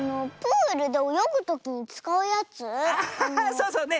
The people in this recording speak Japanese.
そうそうね。